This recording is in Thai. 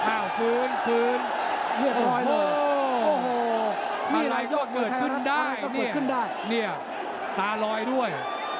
อ้าวคืนคืนเรียกรอย